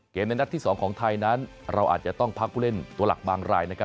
ในนัดที่๒ของไทยนั้นเราอาจจะต้องพักผู้เล่นตัวหลักบางรายนะครับ